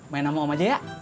main nama om aja ya